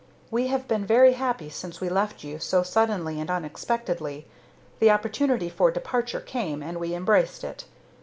"We have been very happy since we left you so suddenly and unexpectedly. The opportunity for departure came, and we embraced it.